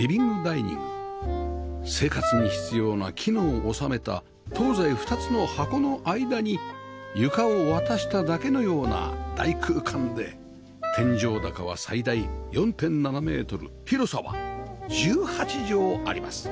生活に必要な機能を収めた東西２つの箱の間に床を渡しただけのような大空間で天井高は最大 ４．７ メートル広さは１８畳あります